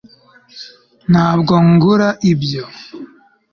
ntabwo ngura ibyo